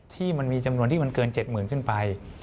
ที่มีจำนวนที่มันเกิน๗๐๐ขึ้นไป